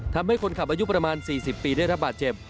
ทำให้คนขับอายุประมาณ๔๐ปีได้รับบาดเจ็บ